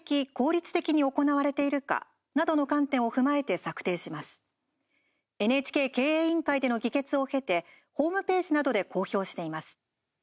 実施計画はＮＨＫ経営委員会での議決を経てホームページなどで公表しています。